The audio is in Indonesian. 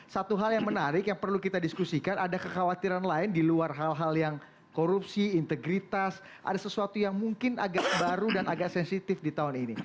satu hal yang menarik yang perlu kita diskusikan ada kekhawatiran lain di luar hal hal yang korupsi integritas ada sesuatu yang mungkin agak baru dan agak sensitif di tahun ini